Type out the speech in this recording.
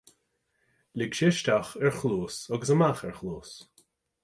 Lig sé isteach ar chluas agus amach ar chluas